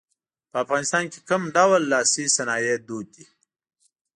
په افغانستان کې کوم ډول لاسي صنایع دود دي.